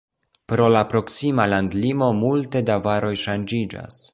Pro la proksima landlimo multe da varoj ŝanĝiĝas.